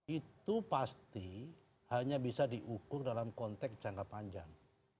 itu pasti hanya bisa diukur dalam konteks jangka panjang